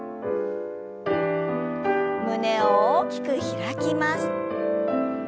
胸を大きく開きます。